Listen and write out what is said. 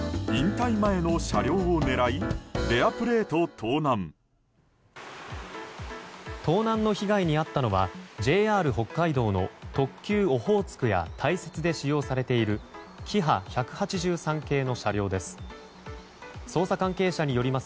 盗難の被害に遭ったのはＪＲ北海道の特急「オホーツク」や「大雪」で使用されているキハ１８３系の車両です。